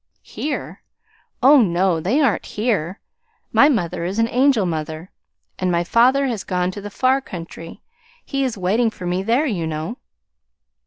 "Here? Oh, no, they aren't here. My mother is an angel mother, and my father has gone to the far country. He is waiting for me there, you know."